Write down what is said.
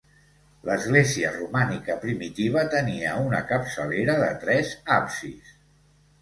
L'església romànica primitiva tenia una capçalera de tres absis.